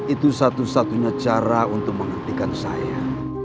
itu satu satunya cara untuk menghentikan saya